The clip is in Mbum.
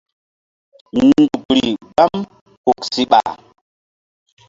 Nzukri gbam huk siɓa.